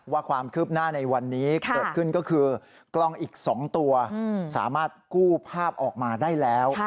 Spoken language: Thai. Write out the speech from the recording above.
ว่าความคืบหน้าในวันนี้เกิดขึ้นก็คือกล้องอีก๒ตัวสามารถกู้ภาพออกมาได้แล้ว